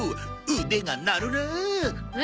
腕が鳴るなあ。